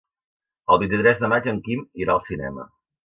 El vint-i-tres de maig en Quim irà al cinema.